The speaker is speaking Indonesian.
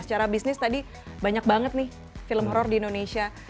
secara bisnis tadi banyak banget nih film horror di indonesia